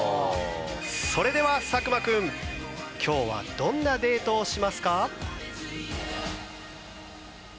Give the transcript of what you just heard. それでは作間君今日はどんなデートをしますか？